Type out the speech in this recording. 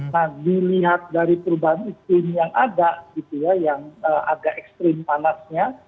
nah dilihat dari perubahan iklim yang ada gitu ya yang agak ekstrim panasnya